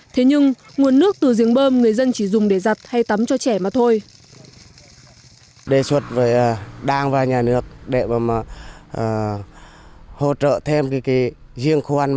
thế nhưng nguồn nước từ giếng bơm người dân chỉ dùng để giặt hay tắm cho trẻ mà thôi